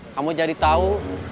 kamu jadi tahu